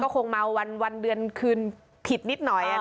คงเมาวันเดือนคืนผิดนิดหน่อย